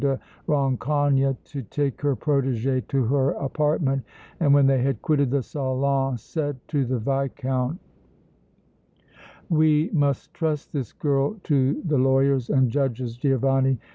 de Rancogne to take her protégée to her apartment, and when they had quitted the salon said to the Viscount: "We must trust this girl to the lawyers and judges, Giovanni.